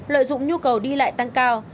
lợi dụng nhu cầu đi lại tăng cao